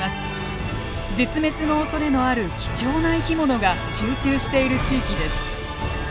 絶滅のおそれのある貴重な生き物が集中している地域です。